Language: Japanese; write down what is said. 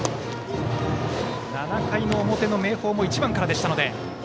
７回の表の明豊も１番からでした。